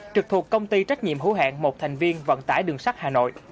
trực thuộc công ty trách nhiệm hữu hạng một thành viên vận tải đường sắt hà nội